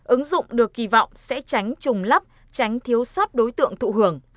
ứng dụng được kỳ vọng sẽ tránh trùng lắp tránh thiếu sót đối tượng thụ hưởng